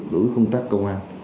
đối với công tác công an